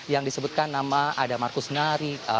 yang disebutkan nama ada markus nari